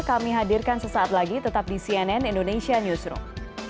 kami hadirkan sesaat lagi tetap di cnn indonesia newsroom